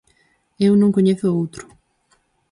Eu non coñezo outro.